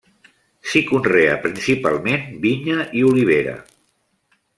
S'hi conrea principalment vinya i olivera.